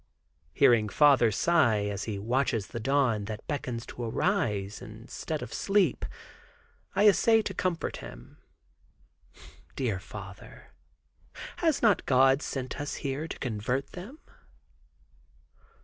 Hearing father sigh, as he watches the dawn that beckons to arise instead of sleep, I essay to comfort him. "Dear father, has not God sent us here to convert them?"